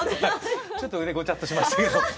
ちょっとごちゃっとしましたけど。